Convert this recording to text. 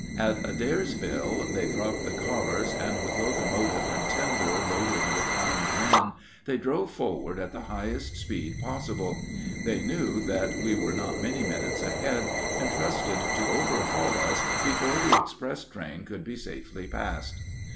At Adairsville they dropped the cars, and with locomotive and tender loaded with armed men, they drove forward at the highest speed possible. They knew that we were not many minutes ahead, and trusted to overhaul us before the express train could be safely passed.